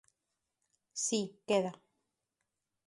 Si, queda.